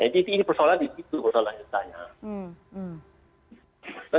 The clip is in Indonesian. jadi persoalannya di situ persoalannya